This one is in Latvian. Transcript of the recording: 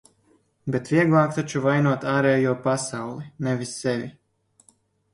Bet vieglāk taču vainot ārējo pasauli, nevis sevi.